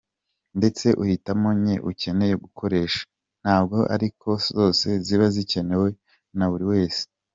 Ndetse uhitemo nke ukeneye gukoresha, ntabwo ariko zose ziba zikenewe na buri wese.